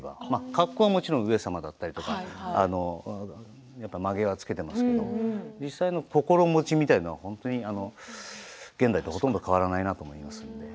格好はもちろん上様だったりまげはつけていますけれども実際の心もちみたいなものは本当に現代とほとんど変わらないなと思いますね。